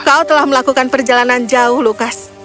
kau telah melakukan perjalanan jauh lukas